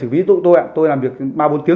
ví dụ tôi tôi làm việc ba bốn tiếng